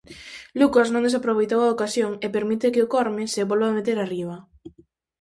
Lucas non desaproveitou a ocasión e permite que o Corme se volva meter arriba.